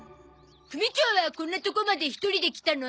組長はこんなとこまで一人で来たの？